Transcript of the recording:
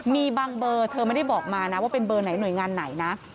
มีบางเบอร์เธอไม่ได้บอกมานะว่าเป็นเบอร์ไหนหน่วยงานไหนนะ